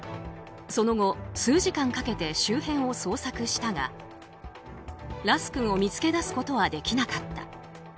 その後、数時間かけて周辺を捜索したがラス君を見つけ出すことはできなかった。